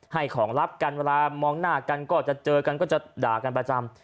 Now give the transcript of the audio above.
ให้ของลับกันเวลามองหน้ากันก็จะเจอกันก็จะด่ากันประจำ